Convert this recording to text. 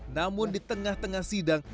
namun di tengah tengah sidang